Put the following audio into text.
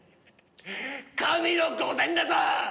神の御前だぞ！